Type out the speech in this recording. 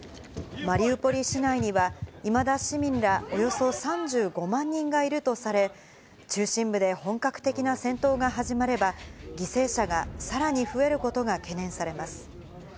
マリウポリ市内には、いまだ市民らおよそ３５万人がいるとされ、中心部で本格的な戦闘が始まれば、犠牲者がさらに増えることが懸念されます。